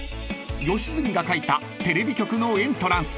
［吉住が書いたテレビ局のエントランス］